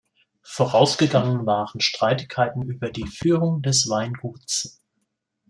Vorausgegangen waren Streitigkeiten über die Führung des Weinguts.